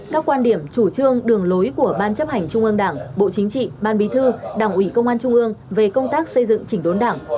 các quan điểm chủ trương đường lối của ban chấp hành trung ương đảng bộ chính trị ban bí thư đảng ủy công an trung ương về công tác xây dựng chỉnh đốn đảng